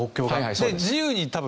で自由に多分。